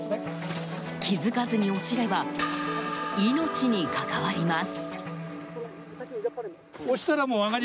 気づかずに落ちれば命に関わります。